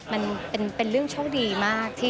มันเป็นเรื่องโชคดีมากที่